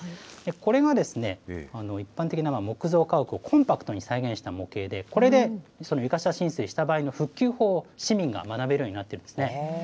これが一般的な木造家屋をコンパクトに再現した模型で、これで床下浸水した場合の復旧法を、市民が学べるようになっていますね。